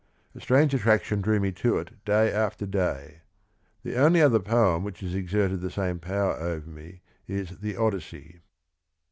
A strange attraction drew me to it day after day. The only other poem which has exerted the same power over me is the Odyssey.